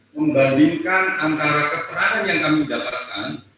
membandingkan antara keterangan yang kami dapatkan